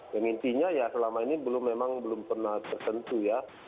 yang intinya ya selama ini belum memang belum pernah tersentuh ya